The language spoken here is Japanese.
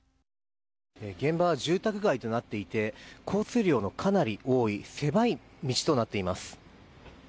現場は住宅街となっていて交通量がかなり多い狭い道となっています。